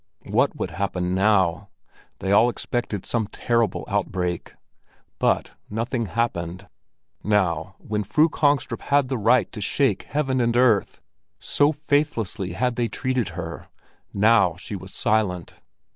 What would happen now? They all expected some terrible outbreak. But nothing happened. Now, when Fru Kongstrup had the right to shake heaven and earth—so faithlessly had they treated her—now she was silent.